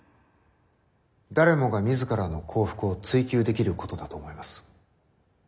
誰もが自らの幸福を追求できることだと思います。